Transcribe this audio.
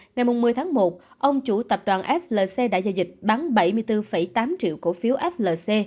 ngày một mươi tháng một ông chủ tập đoàn flc đã giao dịch bắn bảy mươi bốn tám triệu cổ phiếu flc